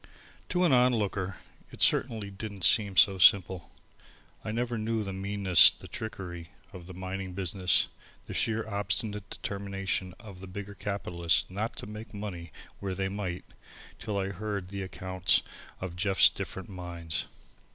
To an onlooker it certainly didn't seem so simple. I never knew the meanness, the trickery, of the mining business, the sheer obstinate determination of the bigger capitalists not to make money when they might, till I heard the accounts of Jeff's different mines.